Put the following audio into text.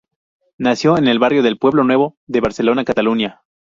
Nació en el barrio del Pueblo Nuevo de Barcelona, Cataluña.